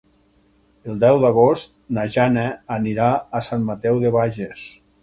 El deu d'agost na Jana anirà a Sant Mateu de Bages.